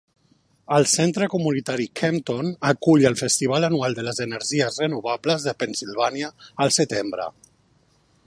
El Centre Comunitari Kempton acull el festival anual de les energies renovables de Pennsilvània al setembre.